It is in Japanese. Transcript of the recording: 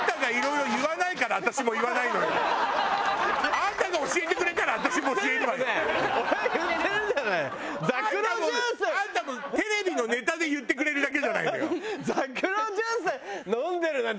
あんたもうテレビのネタで言ってくれるだけじゃないのよ。